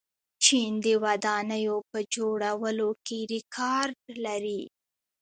چین د ودانیو په جوړولو کې ریکارډ لري.